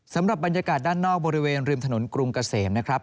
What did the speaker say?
สำหรับบรรยากาศด้านนอกบริเวณริมถนนกรุงเกษมนะครับ